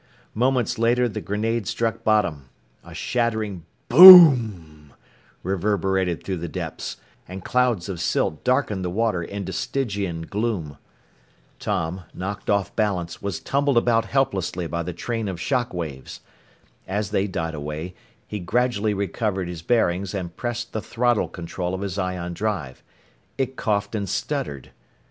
Seconds later, the grenade struck bottom. A shattering bo o oom reverberated through the depths, and clouds of silt darkened the water into Stygian gloom. Tom, knocked off balance, was tumbled about helplessly by the train of shock waves. As they died away, he gradually recovered his bearings and pressed the throttle control of his ion drive. It coughed and stuttered!